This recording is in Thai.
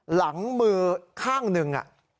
หลังมือข้างหนึ่ง